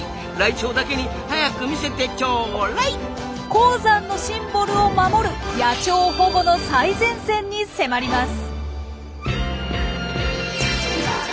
高山のシンボルを守る野鳥保護の最前線に迫ります！